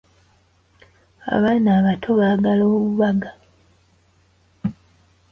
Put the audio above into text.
Abaana abato baagala obubaga.